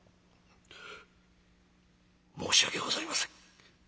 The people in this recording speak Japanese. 「申し訳ございません。